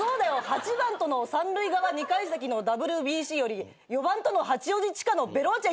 ８番との三塁側２階席のＷＢＣより４番との八王子地下のベローチェ優先します。